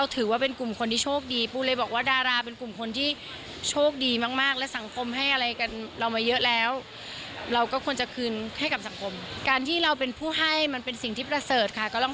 เธอเป็นผู้หญิงคิดบวกมากคิดเธอสวยมากจริงสวยแซงหน้าไปอีกนะ